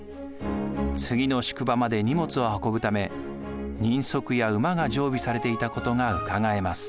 次の宿場まで荷物を運ぶため人足や馬が常備されていたことがうかがえます。